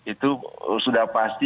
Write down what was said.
itu sudah pasti